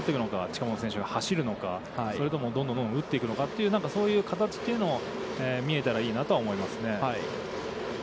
近本選手が走るのか、それともどんどん打っていくのか、そういう形というのが見えたらいいなとは思いますね。